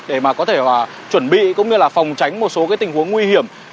để mà có thể chuẩn bị cũng như là phòng tránh một số tình huống nguy hiểm